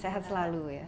sehat selalu ya